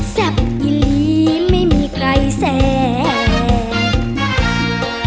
แซ่บอีลีไม่มีใครแสบ